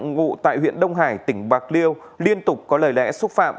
võ thanh trọng ngụ tại huyện đông hải tỉnh bạc điêu liên tục có lời lẽ xúc phạm